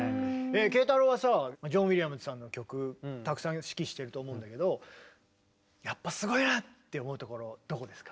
慶太楼はさジョン・ウィリアムズさんの曲たくさん指揮してると思うんだけどやっぱすごいなって思うところどこですか？